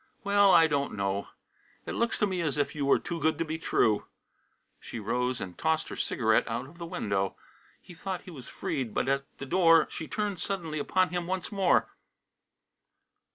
"Well, I don't know. It looks to me as if you were too good to be true." She rose and tossed her cigarette out of the window. He thought he was freed, but at the door she turned suddenly upon him once more.